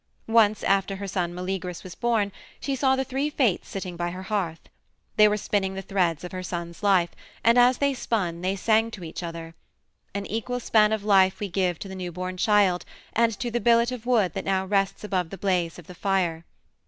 Once, after her son Meleagrus was born, she saw the three Fates sitting by her hearth. They were spinning the threads of her son's life, and as they spun they sang to each other, "An equal span of life we give to the newborn child, and to the billet of wood that now rests above the blaze of the fire."